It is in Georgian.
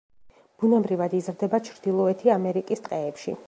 ბუნებრივად იზრდება ჩრდილოეთი ამერიკის ტყეებში.